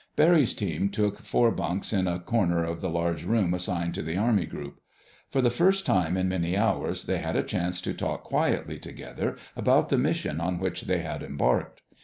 Barry's team took four bunks in a corner of the large room assigned to the Army group. For the first time in many hours they had a chance to talk quietly together about the mission on which they had embarked.